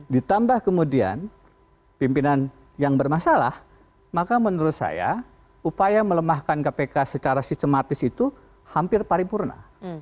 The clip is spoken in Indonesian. ditambah kemudian pimpinan yang bermasalah maka menurut saya upaya melemahkan kpk secara sistematis itu hampir paripurna